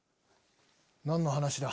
何の話だ？